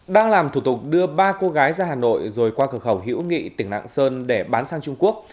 đang làm thủ tục đưa ba cô gái ra hà nội rồi qua cửa khẩu hữu nghị tỉnh lạng sơn để bán sang trung quốc